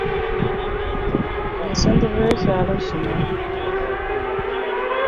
Oyo ye ssentebe w'olukiiko lwekyaalo kino.